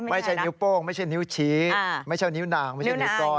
ไม่ใช่นิ้วโป้งไม่ใช่นิ้วชี้ไม่ใช่นิ้วนางไม่ใช่นิ้วก้อน